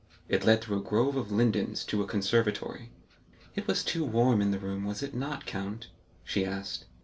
It led through a grove of lindens to a conservatory. "It was too warm in the room, was it not, count?" she asked.